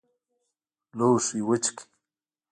لوښي وچ کړئ